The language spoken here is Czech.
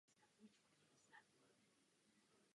Od mala ho zajímaly trolejbusy a dodnes je to jeho koníčkem.